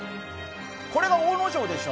これが大野城でしょ？